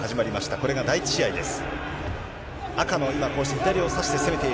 これが第１試合です。